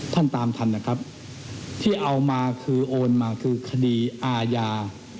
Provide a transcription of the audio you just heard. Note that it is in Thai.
ตามทันนะครับที่เอามาคือโอนมาคือคดีอาญา